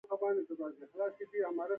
په دارالمعلمین کې د تاریخ استاد و.